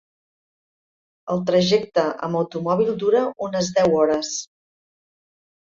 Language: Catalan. El trajecte amb automòbil dura unes deu hores.